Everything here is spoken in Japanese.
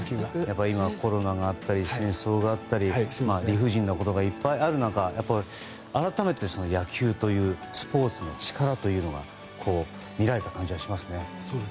コロナがあったり戦争があったり理不尽なことがいっぱいある中改めて、野球というスポーツの力というのが見られた感じがしますね。